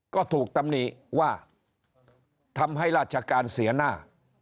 ก็ถูกตำหนิว่าทำให้ราชการเสียหน้า